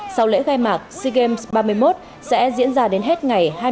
sau lễ khai mạc sea games ba mươi một sẽ diễn ra đến hết ngày